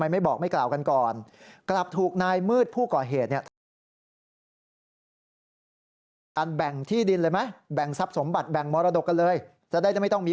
หลังเกิดเหตุภรรยาแจ้ง